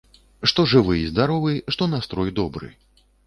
Што жывы і здаровы, што настрой добры.